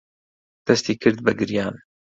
دەستی کرد بە گریان.